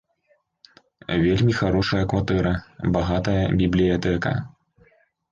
Вельмі харошая кватэра, багатая бібліятэка.